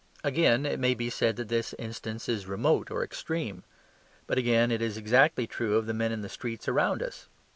Again, it may be said that this instance is remote or extreme. But, again, it is exactly true of the men in the streets around us.